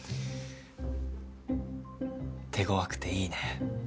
手ごわくていいね